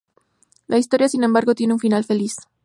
La historia sin embargo tiene un final feliz.